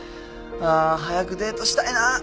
あ早くデートしたいな。